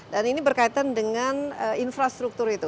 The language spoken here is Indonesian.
dan ini berkaitan dengan infrastruktur itu